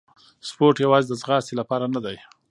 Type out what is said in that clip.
سپورت یوازې د ځغاستې لپاره نه دی.